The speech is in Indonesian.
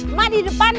emang di depan ya